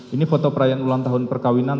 ini foto perayaan ulang tahun perkawinan